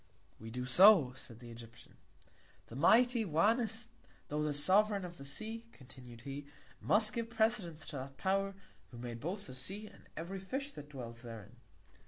We do so, said the Egyptian. The mighty Oannés, tho' the Sovereign of the Sea, continued he, must give Precedence to that Power, who made both the Sea, and every Fish that dwells therein.